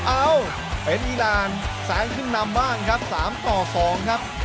เอ้าเป็นอีรานแสงขึ้นนำบ้างครับ๓ต่อ๒ครับ